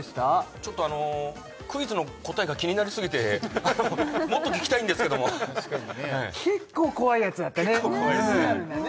ちょっとあのクイズの答えが気になりすぎてもっと聞きたいんですけども確かにね結構怖いやつだったね結構怖いですね